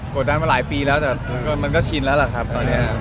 ดันมาหลายปีแล้วแต่มันก็ชินแล้วล่ะครับตอนนี้